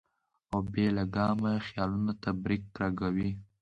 او بې لګامه خيالونو ته برېک لګوي -